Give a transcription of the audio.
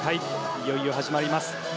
いよいよ始まります。